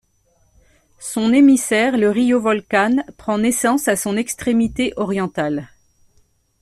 Son émissaire, le río Volcán prend naissance à son extrémité orientale.